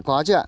có chứ ạ